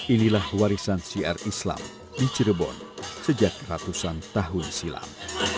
inilah warisan syiar islam di cirebon sejak ratusan tahun silam